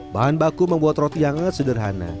bahan baku membuat roti hangat sederhana